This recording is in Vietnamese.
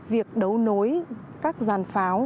việc đấu nối các giàn pháo